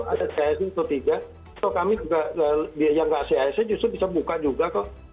ada cis nya itu tiga atau kami yang nggak cis nya justru bisa buka juga